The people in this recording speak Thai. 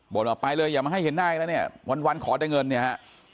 ว่าไปเลยอย่ามาให้เห็นหน้าอีกแล้วเนี่ยวันขอได้เงินเนี่ยฮะ